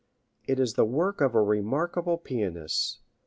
It is the work of a remarkable pianist.